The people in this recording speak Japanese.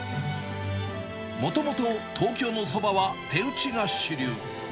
もともと東京のそばは手打ちが主流。